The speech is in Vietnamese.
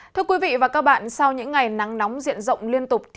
thưa quý vị và các bạn sau những ngày nắng nóng diện rộng liên tục